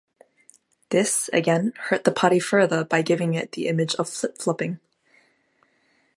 This, again, hurt the party further by giving it the image of flip flopping.